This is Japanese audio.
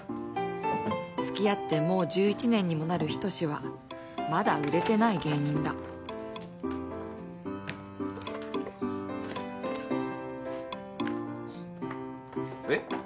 付き合ってもう１１年にもなる仁はまだ売れてない芸人だ。え？